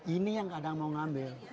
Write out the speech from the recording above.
ini yang ada yang mau ngambil